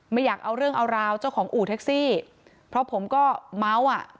ไม่อยากเอาเรื่องเอาราวเจ้าของอู่แท็กซี่เพราะผมก็เมาส์อ่ะ